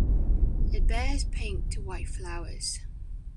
It bears pink to white flowers.